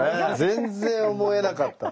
全然思えなかった。